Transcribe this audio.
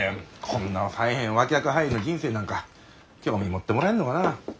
こんなさえへん脇役俳優の人生なんか興味持ってもらえんのかな。